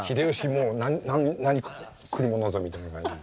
もう何来るものぞみたいな感じ。